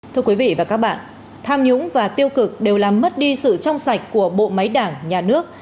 thưa quý vị và các bạn tham nhũng và tiêu cực đều làm mất đi sự trong sạch của bộ máy đảng nhà nước